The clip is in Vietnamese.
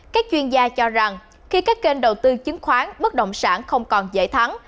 các chuyên gia cho rằng khi các kênh đầu tư chứng khoán bất động sản không còn dễ thắng